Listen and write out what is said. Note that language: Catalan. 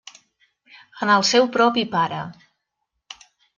En el seu propi pare.